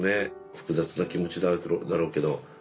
複雑な気持ちだろうけどねえ